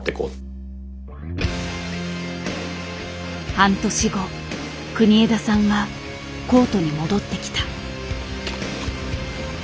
半年後国枝さんはコートに戻ってきた。